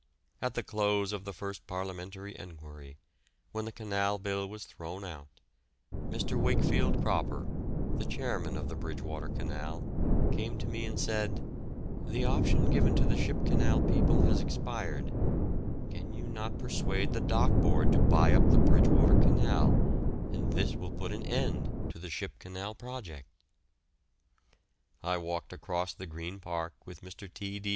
At the close of the first parliamentary enquiry, when the Canal Bill was thrown out, Mr. Wakefield Cropper, the chairman of the Bridgewater Canal, came to me and said, "The option given to the Ship Canal people has expired; can you not persuade the Dock Board to buy up the Bridgewater Canal, and this will put an end to the Ship Canal project?" I walked across the Green Park with Mr. T. D.